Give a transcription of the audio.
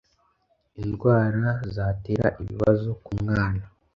indwara zatera ibibazo ku mwana